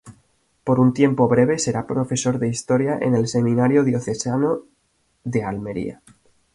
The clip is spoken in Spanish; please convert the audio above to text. Por un tiempo breve será Profesor de Historia en el Seminario Diocesano de Almería.